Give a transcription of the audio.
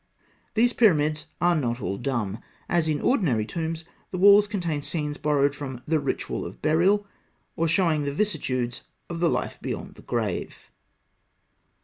These pyramids are not all dumb. As in ordinary tombs, the walls contain scenes borrowed from the "Ritual of Burial," or showing the vicissitudes of the life beyond the grave.